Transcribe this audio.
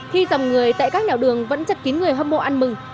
khi dòng người tại các nẻo đường vẫn chật kín người hâm mộ ăn mừng